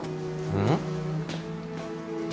うん？